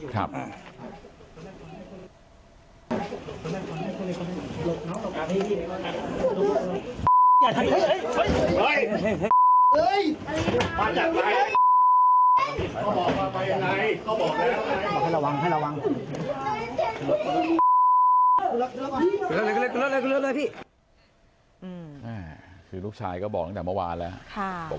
คือลูกชายก็บอกจากเมื่อวานแล้วนะ